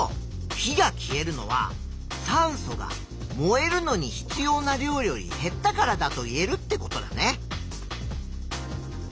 火が消えるのは酸素が燃えるのに必要な量より減ったからだといえるってことだね。